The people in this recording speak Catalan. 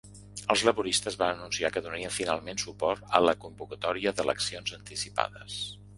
Els laboristes van anunciar que donarien finalment suport a la convocatòria d’eleccions anticipades.